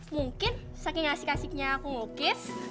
mungkin saking asik asiknya aku ngelukis